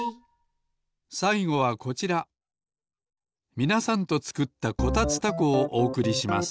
みなさんとつくった「こたつたこ」をおおくりします